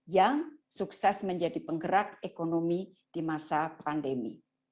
yang sukses menjadi penggerak ekonomi di masa pandemi